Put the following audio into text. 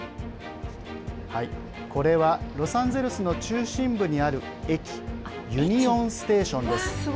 これは、ロサンゼルスの中心部にある駅ユニオンステーションです。